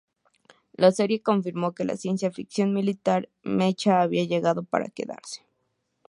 La serie confirmo que la ciencia ficción militar mecha había llegado para quedarse.